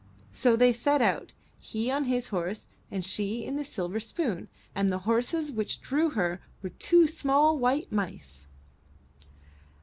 So they set out, he on his horse and she in the silver spoon, and the horses which drew her were two small white mice.